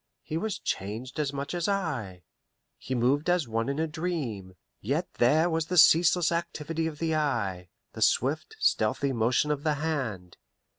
He was changed as much as I; he moved as one in a dream; yet there was the ceaseless activity of the eye, the swift, stealthy motion of the hand.